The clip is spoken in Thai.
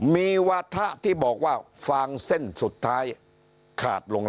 มีวาถะที่บอกว่าฟางเส้นสุดท้ายขาดลงแล้ว